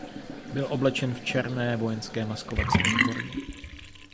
Byl oblečen v černé vojenské maskovací uniformě.